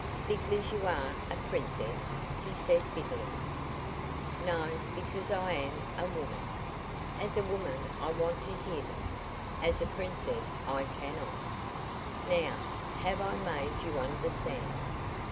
"Because you are a princess," he said, bitterly. "No; because I am a woman. As a woman I want to hear them, as, a princess I cannot. Now, have I made you understand?